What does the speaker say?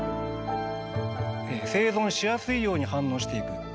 生存しやすいように反応していく。